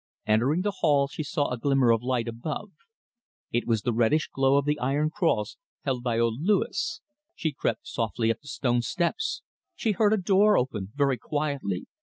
Entering the hall, she saw a glimmer of light above. It was the reddish glow of the iron cross held by old Louis. She crept softly up the stone steps. She heard a door open very quietly.